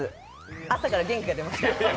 朝から元気が出ました。